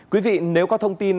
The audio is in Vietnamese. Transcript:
quý vị nếu có thông tin